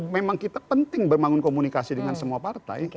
memang kita penting membangun komunikasi dengan semua partai